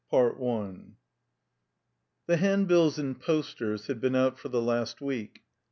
VII 1 The handbills and posters had been out for the last week.